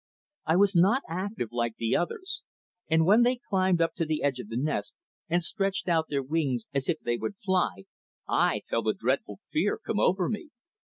I was not active like the others, and when they climbed up to the edge of the nest and stretched out their wings as if they would fly, I felt a dreadful fear come over me.